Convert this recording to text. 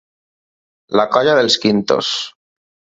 La colla dels quintos.